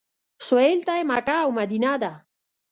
سویل ته یې مکه او مدینه ده.